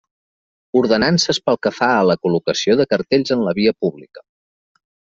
Ordenances pel que fa a la col·locació de cartells en la via pública.